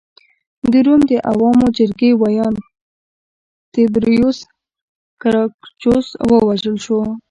د روم د عوامو جرګې ویاند تیبریوس ګراکچوس ووژل شو